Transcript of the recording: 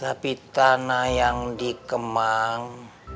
tapi tanah yang dikemang